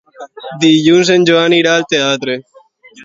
Dilluns en Joan irà al teatre.